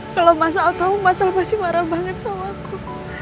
kalau mas al tau mas al pasti marah banget sama aku